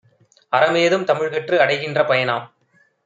அறமேதும் தமிழ்கற்று அடைகின்ற பயனாம்.